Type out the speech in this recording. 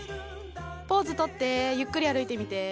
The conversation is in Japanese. ポーズとってゆっくり歩いてみて。